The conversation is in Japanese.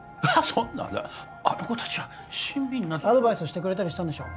そんなあの子達は親身になってアドバイスしてくれたりしたんでしょ？